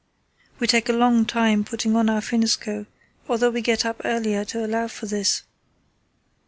We take a long time putting on our finneskoe, although we get up earlier to allow for this.